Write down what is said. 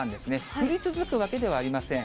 降り続くわけではありません。